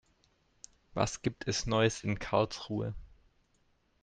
Was gibt es Neues in Karlsruhe?